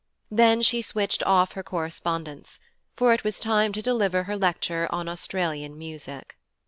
Then she switched off her correspondents, for it was time to deliver her lecture on Australian music.